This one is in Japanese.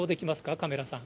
カメラさん。